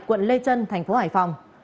quận lê trân tp hải phòng